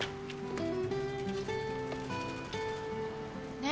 ねえ